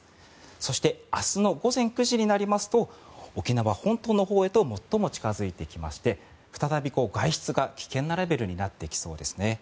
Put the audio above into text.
そして明日の午前９時になりますと沖縄本島のほうへと最も近付いてきまして再び外出が危険なレベルになってきそうですね。